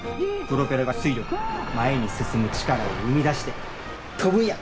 プロペラが推力前に進む力を生み出して飛ぶんや！